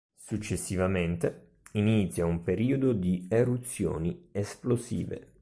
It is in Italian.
Successivamente, inizia un periodo di eruzioni esplosive.